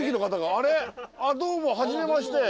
あっどうもはじめまして。